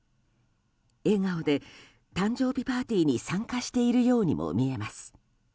笑顔で誕生日パーティーに参加しているようにも見えます。